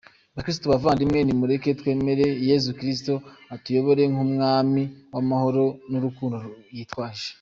Bakristu bavandimwe nimureke twemere Yezu Kristu atuyobore nk’Umwami w’amahoro n’urukundo yitwaje.